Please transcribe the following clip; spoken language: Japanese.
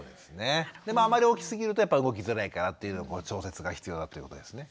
でもあまり大きすぎるとやっぱり動きづらいからっていうので調節が必要だということですね。